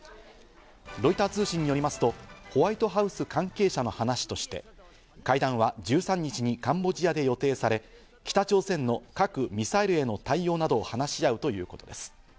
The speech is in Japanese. ロイター通信によりますと、ホワイトハウス関係者の話として、会談は１３日にカンボジアで予定され、北朝鮮の核・ミサイルへの対応などを話し合うということです。